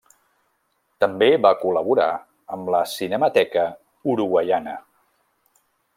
També va col·laborar amb la Cinemateca Uruguaiana.